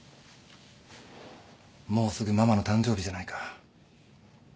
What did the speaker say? もうすぐママの誕生日じゃないか。